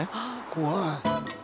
怖い。